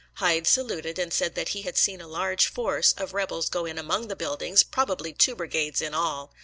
Hyde saluted, and said that he had seen a large force of rebels go in among the buildings, probably two brigades in all.